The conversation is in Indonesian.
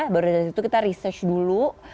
baru dari situ kita research dulu